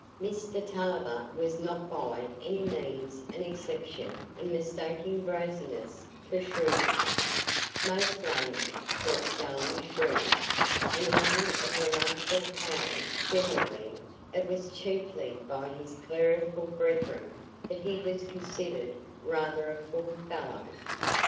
Mr Tulliver was not by any means an exception in mistaking brazenness for shrewdness; most laymen thought Stelling shrewd, and a man of remarkable powers generally; it was chiefly by his clerical brethren that he was considered rather a dull fellow.